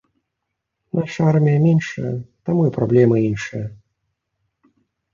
Наша армія меншая, таму і праблемы іншыя.